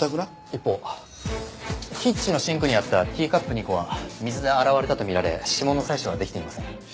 一方キッチンのシンクにあったティーカップ２個は水で洗われたと見られ指紋の採取はできていません。